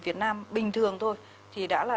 việt nam bình thường thôi thì đã là